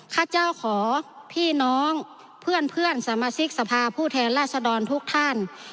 ข้าเจ้าขอพี่น้องเพื่อนสมาชิกสภาผู้แทนราษฎรทุกท่าน